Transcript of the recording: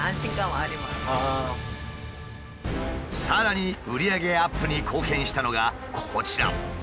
さらに売り上げアップに貢献したのがこちら。